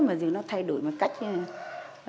bây giờ nó thay đổi một cách như thế này